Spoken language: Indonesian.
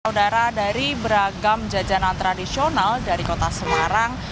saudara dari beragam jajanan tradisional dari kota semarang